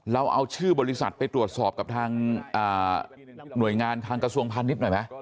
เราเอาชื่อบริษัทไปตรวจสอบกับทางหน่วยงานทางกระทรวงพาณิชย์หน่อยไหม